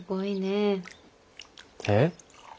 えっ？